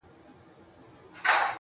یوازې سترګې، باڼه او زلفې یې لري